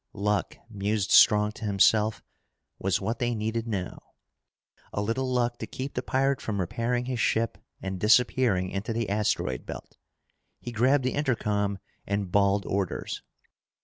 Luck, mused Strong to himself, was what they needed now. A little luck to keep the pirate from repairing his ship and disappearing into the asteroid belt. He grabbed the intercom and bawled orders.